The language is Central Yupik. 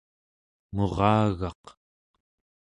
muragaq